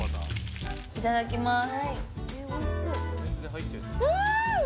いただきます。